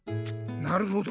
なるほど。